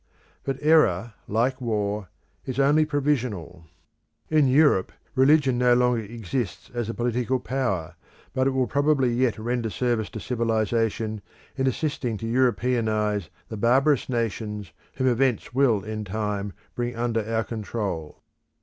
But error, like war, is only provisional. In Europe, religion no longer exists as a political power, but it will probably yet render service to civilisation in assisting to Europeanise the barbarous nations whom events will in time bring under our control.